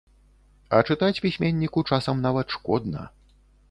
А чытаць пісьменніку часам нават шкодна.